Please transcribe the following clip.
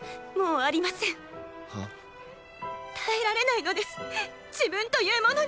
耐えられないのです自分というものに。